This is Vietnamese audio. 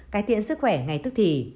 cải thiện sức khỏe ngày thức thì